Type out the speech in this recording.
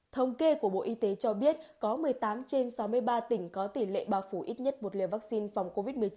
thống kê của bộ y tế cho biết có một mươi tám trên sáu mươi ba tỉnh có tỷ lệ bao phủ ít nhất một liều vaccine phòng covid một mươi chín